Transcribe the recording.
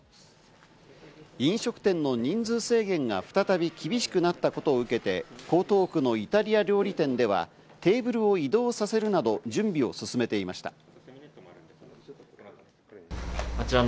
飲食店の人数制限が再び厳しくなったことを受けて、江東区のイタリア料理店ではテーブルを移動させるなど準備を進めていました。